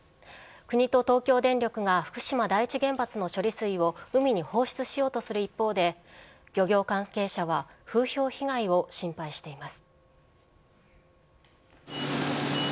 国と東京電力が福島第一原発の処理水を海に放出しようとする一方で、漁業関係者は風評被害を心配しています。